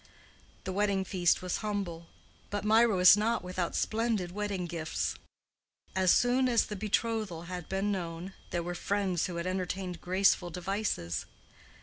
The wedding feast was humble, but Mirah was not without splendid wedding gifts. As soon as the betrothal had been known, there were friends who had entertained graceful devices.